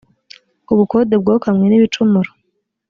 ubukode bwokamwe n’ ibicumuro.